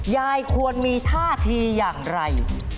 ยายควรมีท่าทีอย่างไร